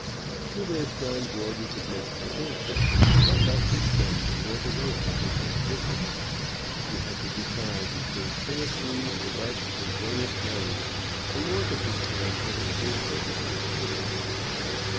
To this John Gordon could make no answer, but left his friend, and went away about his own business. He had to decide between Tennessee, Thibet, and Buenos Ayres, and wanted his time for his own purposes.